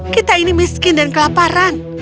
kita ini miskin dan kelaparan